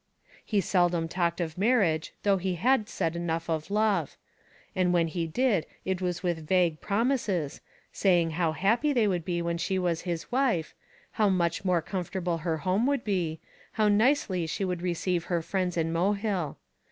He seldom talked of marriage though he said enough of love; and when he did, it was with vague promises, saying how happy they would be when she was his wife, how much more comfortable her home would be, how nicely she would receive her friends in Mohill.